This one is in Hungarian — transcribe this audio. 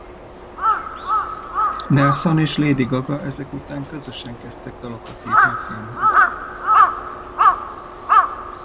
Nelson és Lady Gaga ezek után közösen kezdtek dalokat írni a filmhez.